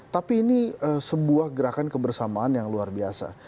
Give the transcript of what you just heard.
tapi ini sebuah gerakan kebersamaan yang luar biasa